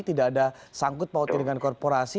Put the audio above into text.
tidak ada sangkut pautin dengan korporasi